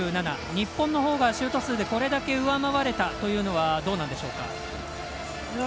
日本のほうがシュート数でこれだけ上回れたというのはどうなんでしょうか？